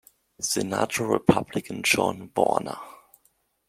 Senator, Republican John Warner.